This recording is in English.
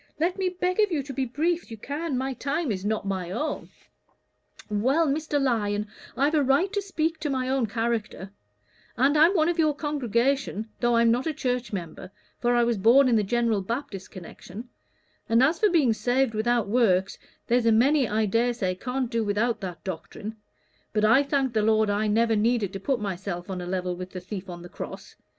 Let me beg of you to be as brief as you can. My time is not my own." "Well, Mr. Lyon, I've a right to my own character; and I'm one of your congregation, though I'm not a church member, for I was born in the General Baptist connection: and as for being saved without works, there's a many, I dare say, can't do without that doctrine; but I thank the Lord I never needed to put _my_self on a level with the thief on the cross.